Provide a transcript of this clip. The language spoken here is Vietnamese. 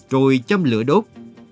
rồi châm lửa đốt